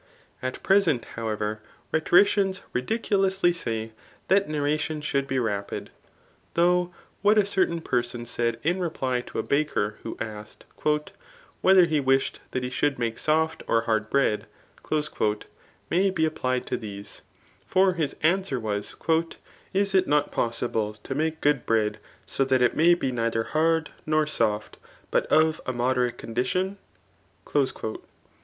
At present, however, rhetoricians ridiculously say that narration should be rapid ; though what a certain person said in reply to a baker, who asked, *^ whether he wished that he should make soft or hard bread," may be applied to these. For his answer was, *^ Is it not possible to make good bread, so that it may be neither hard nor fioft, but of a moderate condition